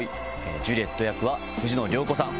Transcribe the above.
ジュリエット役は藤野涼子さん。